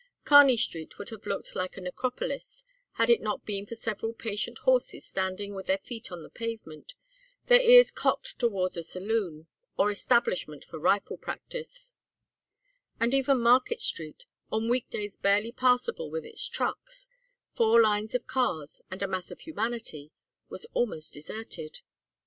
Kearney Street would have looked like a necropolis had it not been for several patient horses standing with their feet on the pavement, their ears cocked towards a saloon, or establishment for "rifle practice"; and even Market Street, on week days barely passable with its trucks, four lines of cars, and a mass of humanity, was almost deserted.